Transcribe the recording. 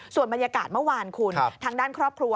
ส่วนบรรยากาศเมื่อวานคุณทางด้านครอบครัว